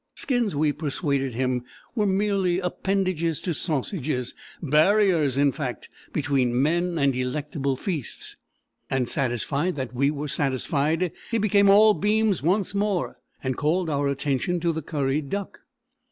Skins, we persuaded him, were merely appendages to sausages, barriers, in fact, between men and delectable feasts; and satisfied that we were satisfied, he became all beams once more, and called our attention to the curried duck.